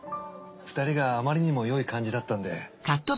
２人があまりにもよい感じだったんで。